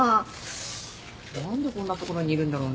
何でこんな所にいるんだろうね。